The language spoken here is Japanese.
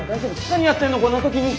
何やってんのこんな時に。